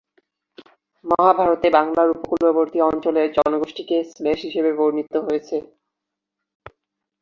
মহাভারত এ বাংলার উপকূলবর্তী অঞ্চলের জনগোষ্ঠীকে ম্লেচ্ছ হিসেবে বর্ণিত হয়েছে।